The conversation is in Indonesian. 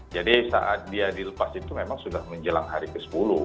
jadi saat dia dilepas itu memang sudah menjelang hari ke sepuluh